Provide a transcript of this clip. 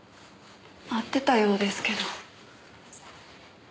会ってたようですけど。